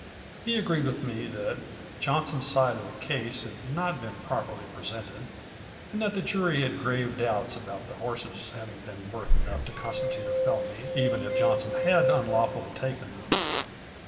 He agreed with me that Johnson's side of the case had not been properly presented and that the jury had grave doubts about the horses having been worth enough to constitute a felony even if Johnson had unlawfully taken them.